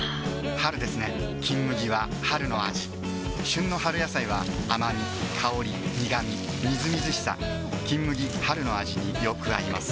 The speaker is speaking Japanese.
春ですね「金麦」は春の味旬の春野菜は甘み香り苦みみずみずしさ「金麦」春の味によく合います